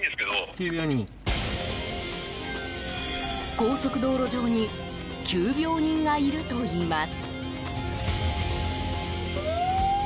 高速道路上に急病人がいるといいます。